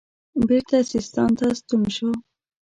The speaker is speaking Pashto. بیرته سیستان ته ستون شو.